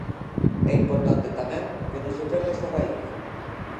É importante tamén que non se perda esa raíz.